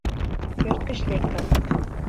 Пӧрт гыч лектыт.